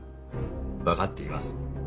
分かっています。